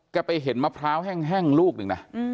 ไปเห็นมะพร้าวแห้งลูกหนึ่งนะ